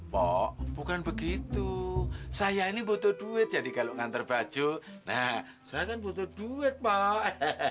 po bukan begitu saya ini butuh duit jadi kalau ngantar baju nah saya kan butuh duit pak